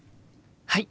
はい！